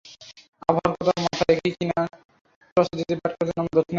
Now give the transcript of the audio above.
আবহাওয়ার কথা মাথা রেখেই কিনা টসে জিতে ব্যাট করতে নামল দক্ষিণ আফ্রিকা।